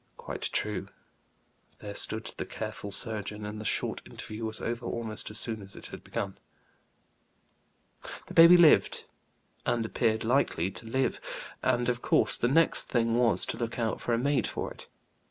Quite true. There stood the careful surgeon, and the short interview was over almost as soon as it had begun. The baby lived, and appeared likely to live, and of course the next thing was to look out for a maid for it.